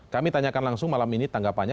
kami tanyakan langsung malam ini tanggapannya